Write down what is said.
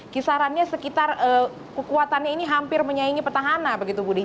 kisarannya sekitar kekuatannya ini hampir menyaingi petahana begitu budi